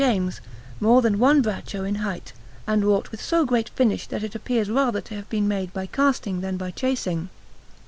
James, more than one braccio in height, and wrought with so great finish that it appears rather to have been made by casting than by chasing.